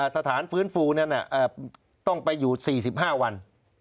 สถานฟื้นฟูนั้นต้องไปอยู่๔๕วัน